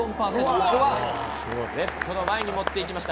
ここはレフトの前に持って行きました。